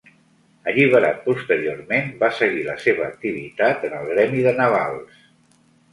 Alliberat posteriorment, va seguir la seva activitat en el gremi de navals.